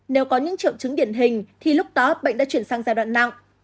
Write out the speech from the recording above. nếu có những triệu chứng điển hình thì lúc đó bệnh đã chuyển sang giai đoạn nặng